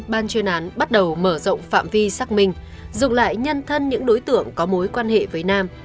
ban chuyên án bắt đầu mở rộng phạm vi xác minh dựng lại nhân thân những đối tượng có mối quan hệ với nam